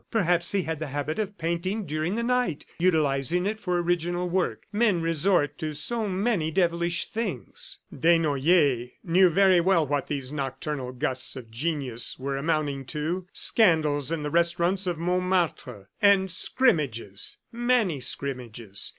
Perhaps he had the habit of painting during the night, utilizing it for original work. Men resort to so many devilish things! ... Desnoyers knew very well what these nocturnal gusts of genius were amounting to scandals in the restaurants of Montmartre, and scrimmages, many scrimmages.